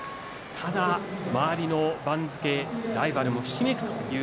ただ周りの番付ライバルがひしめいています。